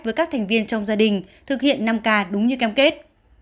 với các thành viên trong gia đình thực hiện năm k đúng như cam kết